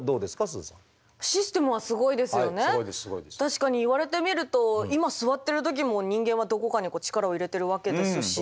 確かに言われてみると今座ってる時も人間はどこかに力を入れてるわけですし。